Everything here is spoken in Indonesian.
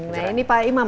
nah ini pak imam